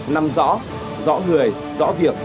năm rõ rõ người rõ việc